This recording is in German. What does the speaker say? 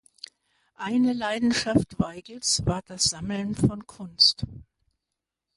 Eine Leidenschaft Weigels war das Sammeln von Kunst.